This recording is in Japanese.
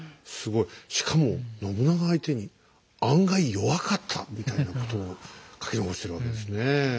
しかも信長相手に案外弱かったみたいなことを書き残してるわけですね。